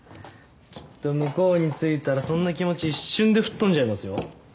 きっと向こうに着いたらそんな気持ち一瞬で吹っ飛んじゃいますよ。